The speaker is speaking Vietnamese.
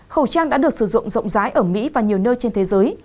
khẩu trang đã được sử dụng rộng rãi ở mỹ và nhiều nơi trên thế giới